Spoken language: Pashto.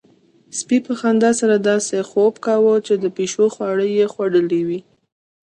سپي په خندا سره داسې خوب کاوه چې د پيشو خواږه يې خوړلي وي.